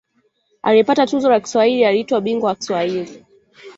Aliyepata tuzo la Kiswahili aliitwa ‘Bingwa wa Kiswahili’.